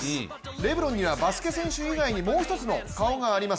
レブロンにはバスケ選手以外にもう一つの顔があります。